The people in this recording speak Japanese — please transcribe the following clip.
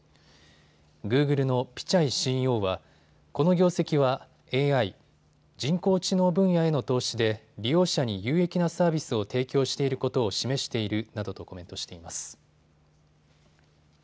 グーグルのピチャイＣＥＯはこの業績はＡＩ・人工知能分野への投資で利用者に有益なサービスを提供していることを示しているなどとコメントしています。